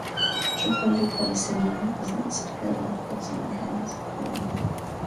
Tripoli huku serikali zinazopingana zikiwania madaraka